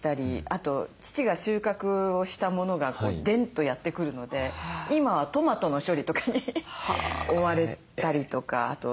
あと父が収穫をしたものがでんとやって来るので今はトマトの処理とかに追われたりとかあとナスとかピーマンとかそういうもの。